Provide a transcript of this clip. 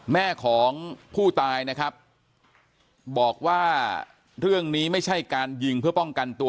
แม่ของผู้ตายนะครับบอกว่าเรื่องนี้ไม่ใช่การยิงเพื่อป้องกันตัว